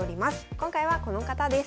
今回はこの方です。